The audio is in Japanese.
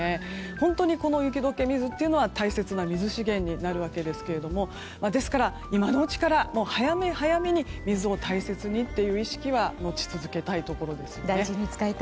本当にこの雪解け水は大切な水資源になるわけですがですから今のうちから早め早めに水を大切にという意識は持ち続けたいところですね。